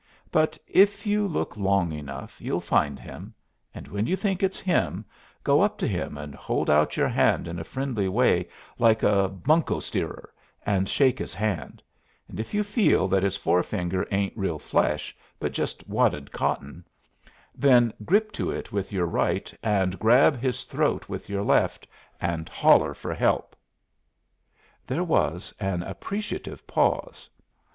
But if you look long enough you'll find him. And when you think it's him, go up to him and hold out your hand in a friendly way, like a bunco steerer, and shake his hand; and if you feel that his forefinger ain't real flesh, but just wadded cotton, then grip to it with your right and grab his throat with your left, and holler for help." There was an appreciative pause.